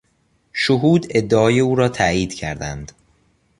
شهود ادعای او را تایید کردند.